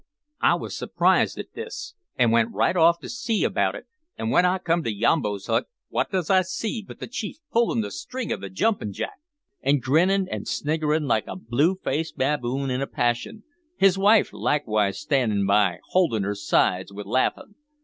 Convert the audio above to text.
I wos surprised at this, an' went right off to see about it, an' w'en I come to Yambo's hut wot does I see but the chief pullin' the string o' the jumpin' jack, an' grinnin' an' sniggerin' like a blue faced baboon in a passion his wife likewise standin' by holdin' her sides wi' laughin'.